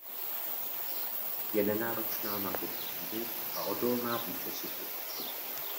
Je nenáročná na typ půdy a odolná vůči suchu.